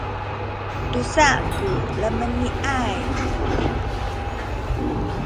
tusa ku lumeni’ay